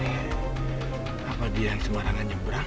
ini apa dia yang semarangan nyebrang